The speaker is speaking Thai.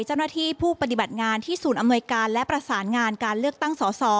เจ้าหน้าที่ผู้ปฏิบัติงานที่ศูนย์อำนวยการและประสานงานการเลือกตั้งสอสอ